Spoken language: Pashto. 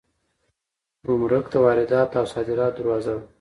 ګمرک د وارداتو او صادراتو دروازه ده